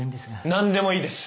何でもいいです